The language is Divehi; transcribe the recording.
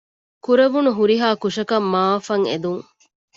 ކުރެވުނު ހުރިހާ ކުށަކަށް މަޢާފަށް އެދުން